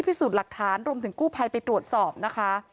พิสูจน์หลักฐานรวมถึงกู้ภัยไปตรวจสอบนะคะ